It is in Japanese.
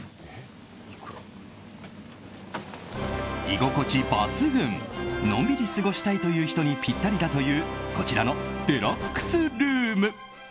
居心地抜群のんびり過ごしたいという人にぴったりだというこちらのデラックスルーム。